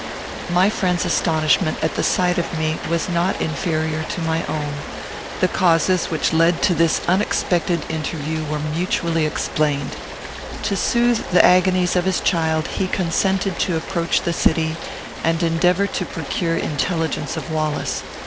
My friend's astonishment at the sight of me was not inferior to my own. The causes which led to this unexpected interview were mutually explained. To soothe the agonies of his child, he consented to approach the city, and endeavour to procure intelligence of Wallace.